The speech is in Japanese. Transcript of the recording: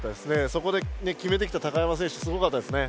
そこで決めてきた山選手すごかったですね。